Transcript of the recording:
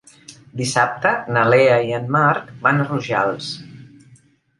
Dissabte na Lea i en Marc van a Rojals.